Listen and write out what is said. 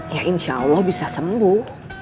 ya insya allah bisa sembuh